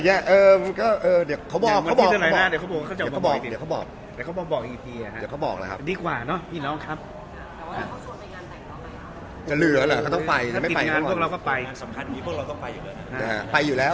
อเจมส์แล้วคือพวกเราต้องไปอยู่แล้ว